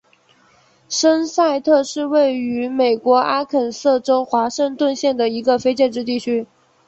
森塞特是位于美国阿肯色州华盛顿县的一个非建制地区。